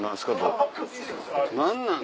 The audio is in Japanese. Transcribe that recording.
何なん？